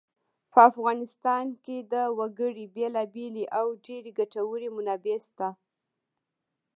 په افغانستان کې د وګړي بېلابېلې او ډېرې ګټورې منابع شته.